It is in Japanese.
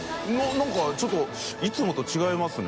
何かちょっといつもと違いますね。